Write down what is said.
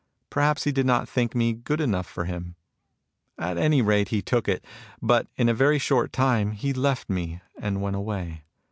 Perhaps he did not think me good enough for him ! At any rate, he took it ; but in a very short time he left me and went away.